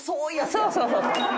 そうそうそうそう。